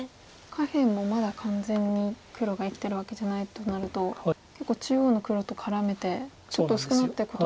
下辺もまだ完全に黒が生きてるわけじゃないとなると結構中央の黒と絡めてちょっと薄くなっていくことも？